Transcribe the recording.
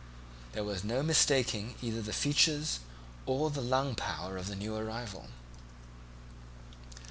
There was no mistaking either the features or the lung power of the new arrival.